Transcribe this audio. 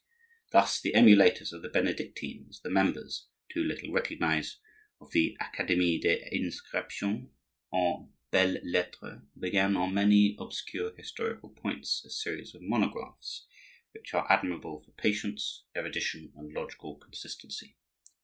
Thus the emulators of the Benedictines, the members (too little recognized) of the Academie des Inscriptions et Belles lettres, began on many obscure historical points a series of monographs, which are admirable for patience, erudition, and logical consistency.